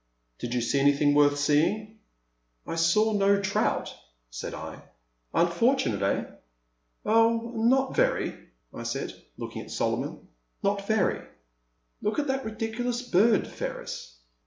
Did you see anything worth seeing ?'I saw no trout," said I. Unfortunate, eh?" '* Oh not very, *' I said, looking at Solomon. Notvery?" *' I/)ok at that ridiculous bird, Ferris."